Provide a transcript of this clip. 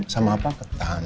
sama apa ketan